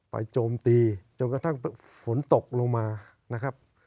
โจมตีจนกระทั่งฝนตกลงมานะครับ